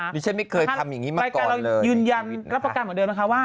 นิชช์ไม่เคยทำอย่างนี้มาก่อนเลยยืนยันรับประกันเหมือนเดิมนะคะ